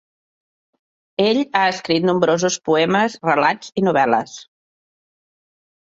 Ell ha escrit nombrosos poemes, relats i novel·les.